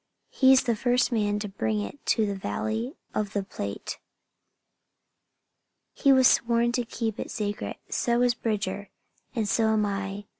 He's the first man to bring it to the Valley of the Platte. He was sworn to keep it secret; so was Bridger, and so am I.